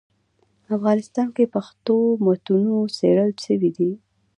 افغانستان کي پښتو متونو څېړل سوي دي.